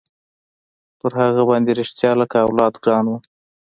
پر هغه باندې رښتيا لكه اولاد ګران وم.